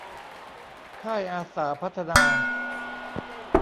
ค่ายอาสาพัฒนา